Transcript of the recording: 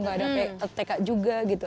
gak ada tk juga gitu